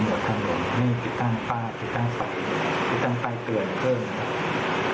ทางลงไม่ติดตั้งปลาติดตั้งสะอุดติดตั้งไฟเตือนเพิ่ม